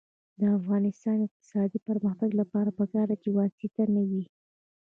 د افغانستان د اقتصادي پرمختګ لپاره پکار ده چې واسطه نه وي.